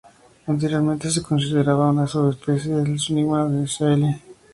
Anteriormente se consideraba una subespecie del Suimanga de Shelley.